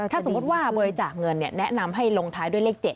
ถ้าสมมุติว่าบริจาคเงินแนะนำให้ลงท้ายด้วยเลข๗